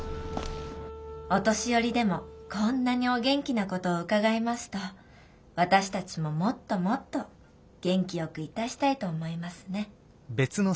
お年寄りでもこんなにお元気な事を伺いますと私たちももっともっと元気よく致したいと思いますね。